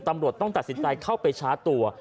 ตำรวจต้องตัดสินใจเข้าไปชาร์จตัว